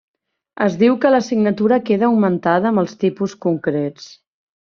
Es diu que la signatura queda augmentada amb els tipus concrets.